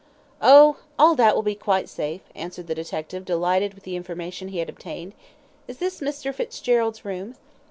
"Oh, all that will be quite safe," answered the detective, delighted with the information he had obtained. "Is this Mr. Fitzgerald's room?"